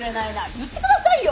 言って下さいよ。